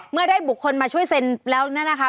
เมื่อได้บุคคลมาช่วยเซ็นแล้วเนี่ยนะคะ